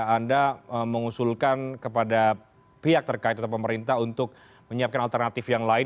anda mengusulkan kepada pihak terkait atau pemerintah untuk menyiapkan alternatif yang lain